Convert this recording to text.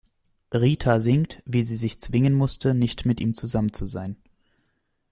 Rita singt, wie sie sich zwingen musste, nicht mit ihm zusammen zu sein.